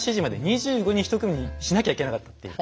２５人１組にしなきゃいけなかったっていう。